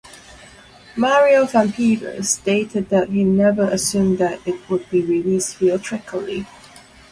Mario Van Peebles stated that he never assumed that it would be released theatrically.